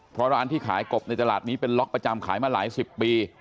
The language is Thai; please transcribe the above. เพราะร้านที่ขายกบในตลาดนี้เป็นล็อกประจำขายมาหลายสิบปี